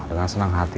dengan senang hati